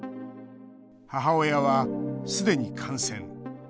母親は、すでに感染。